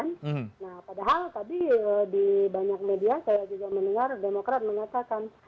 nah padahal tadi di banyak media saya juga mendengar demokrat mengatakan